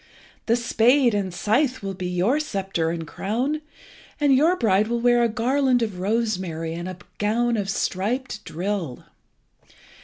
The spade and scythe will be your sceptre and crown, and your bride will wear a garland of rosemary, and a gown of striped drill."